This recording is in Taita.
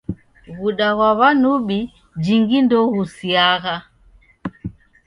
W'uda ghwa w'anubi jingi ndoghusiagha.